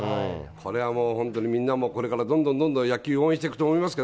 これはもう本当に、みんなもこれからどんどんどんどん野球応援していくと思います